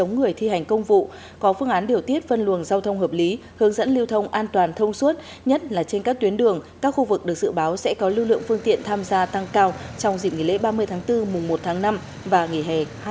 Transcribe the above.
nhất là trên các tuyến đường các khu vực được dự báo sẽ có lưu lượng phương tiện tham gia tăng cao trong dịp nghỉ lễ ba mươi tháng bốn mùng một tháng năm và nghỉ hè hai nghìn hai mươi bốn